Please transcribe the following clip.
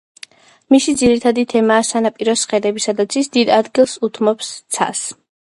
მისი ძირითადი თემაა სანაპიროს ხედები, სადაც ის დიდ ადგილს უთმობდა ცას.